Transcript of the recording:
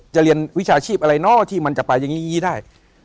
เรียนวิชาชีพอะไรเนาะที่มันจะไปอย่างนี้ได้